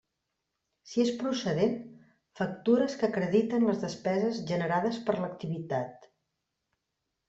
Si és procedent, factures que acrediten les despeses generades per l'activitat.